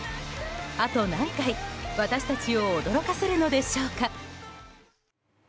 あと何回私たちを驚かせるのでしょうか。